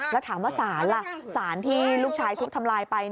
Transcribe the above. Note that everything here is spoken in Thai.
แล้วถามว่าสารล่ะสารที่ลูกชายทุบทำลายไป